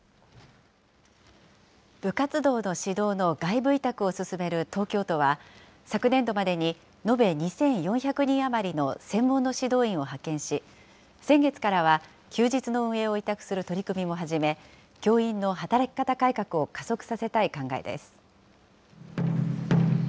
部活動の指導の外部委託を進める東京都は、昨年度までに延べ２４００人余りの専門の指導員を派遣し、先月からは休日の運営を委託する取り組みも始め、教員の働き方改革を加速させたい考えです。